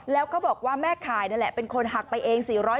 แล้วเขาบอกว่าแม่ขายนั่นแหละเป็นคนหักไปเอง๔๐๐